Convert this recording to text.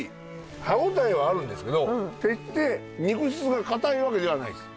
歯応えはあるんですけど決して肉質がかたいわけではないです。